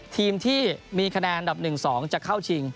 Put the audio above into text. ทีมที่มีคะแนนอันดับ๑๒จะเข้าชิง